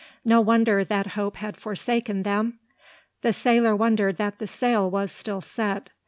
No wonder that hope had forsaken them! The sailor wondered that the sail was still set.